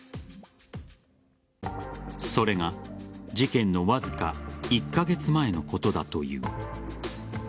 それが、事件のわずか１カ月前のことだという。